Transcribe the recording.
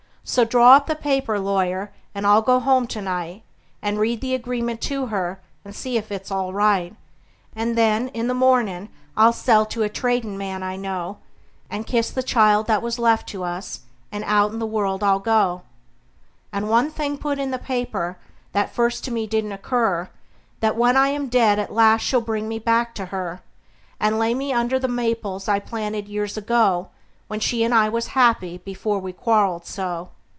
So draw up the paper, lawyer, and I'll go home to night, And read the agreement to her, and see if it's all right; And then, in the mornin', I'll sell to a tradin' man I know, And kiss the child that was left to us, and out in the world I'll go. And one thing put in the paper, that first to me didn't occur: That when I am dead at last she'll bring me back to her; And lay me under the maples I planted years ago, When she and I was happy before we quarreled so.